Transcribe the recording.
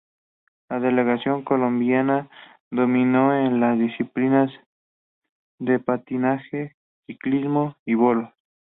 La delegación colombiana dominó en las disciplinas de Patinaje, Ciclismo y Bolos.